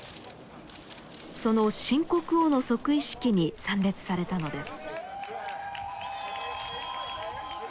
その新国王の即位式に参列されたのです。